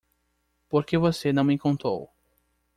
Por que você não me contou?